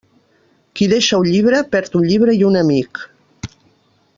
Qui deixa un llibre, perd un llibre i un amic.